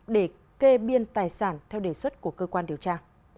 để kê biên tài sản theo đề xuất của cơ quan điều tra